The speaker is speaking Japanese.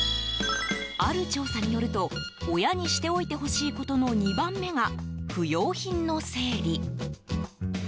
ある調査によると親にしておいてほしいことの２番目が不用品の整理。